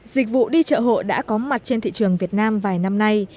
dịch vụ đi chợ hộ đã có mặt trên thị trường việt nam vài năm nay